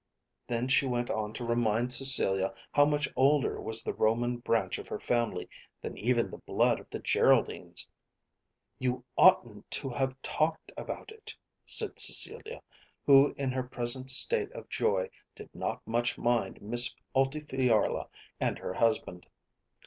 Then she went on to remind Cecilia how much older was the Roman branch of her family than even the blood of the Geraldines. "You oughtn't to have talked about it," said Cecilia, who in her present state of joy did not much mind Miss Altifiorla and her husband.